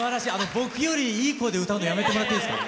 僕より、いい声で歌うのやめてもらっていいですか。